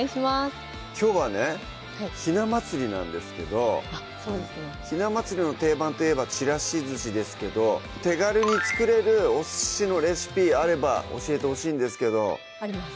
きょうはねひな祭りなんですけどそうですねひな祭りの定番といえばちらしずしですけど手軽に作れるお寿司のレシピあれば教えてほしいんですけどあります